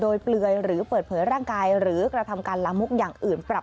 โดยเปลือยหรือเปิดเผยร่างกายหรือกระทำการละมุกอย่างอื่นปรับ